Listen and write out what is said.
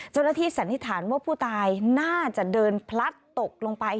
สันนิษฐานว่าผู้ตายน่าจะเดินพลัดตกลงไป